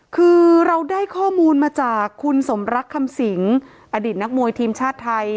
คือเราได้ข้อมูลมาจากคุณสมรักคำสิงอดีตนักมวยทีมชาติไทย